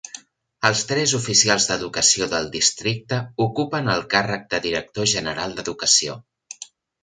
Els tres oficials d'educació del districte ocupen el càrrec de director general d'educació.